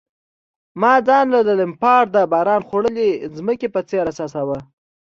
ما ځان د لمپارډ د باران خوړلي مځکې په څېر احساساوه.